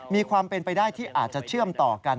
มีความเป็นไปได้ที่อาจจะเชื่อมต่อกัน